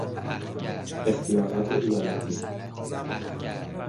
اختیارات ایالتی